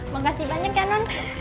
makasih banyak ya non